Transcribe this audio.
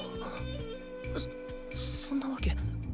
そそんなわけ。